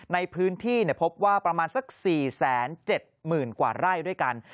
ในพื้นที่พบว่าประมาณสัก๔๗๐๐๐กว่าไร่ด้วยกัน